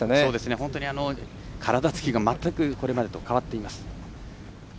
本当に体つきがこれまでと全く変わっています。